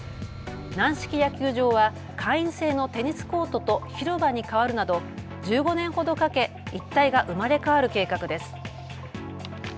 軟式野球場は会員制のテニスコートと広場に変わるなど１５年ほどかけ一帯が生まれ変わる計画です。